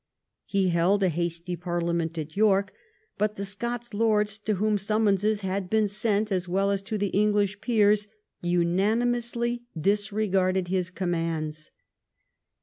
He held a hasty parlia ment at York, but the Scots lords, to whom sum monses had been sent as well as to the English peers, unanimously disregarded his commands.